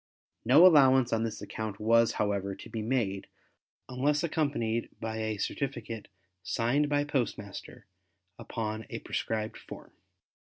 No allowance on this account was, however, to be made unless accompanied by a certificate signed by postmaster upon a prescribed form.